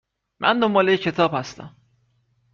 من دنبال یه کتاب هستم